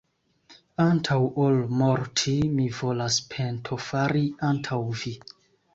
antaŭ ol morti, mi volas pentofari antaŭ vi!